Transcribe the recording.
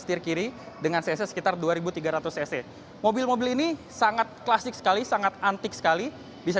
setir kiri dengan cc sekitar dua ribu tiga ratus cc mobil mobil ini sangat klasik sekali sangat antik sekali bisa